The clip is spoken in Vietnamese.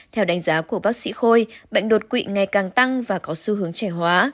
theo đánh giá của bác sĩ khôi bệnh đột quỵ ngày càng tăng và có xu hướng trẻ hóa